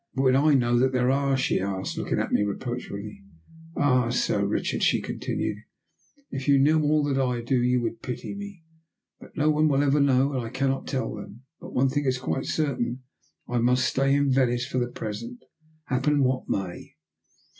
"When I know that there are?" she asked, looking at me reproachfully. "Ah, Sir Richard," she continued, "if you knew all that I do you would pity me. But no one will ever know, and I cannot tell them. But one thing is quite certain. I must stay in Venice for the present happen what may.